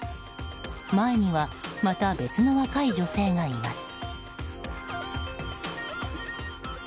前にはまた別の若い女性がいます。